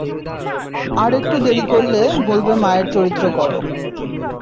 আর একটু দেড়ি করলে বলবে মায়ের চরিত্র করো।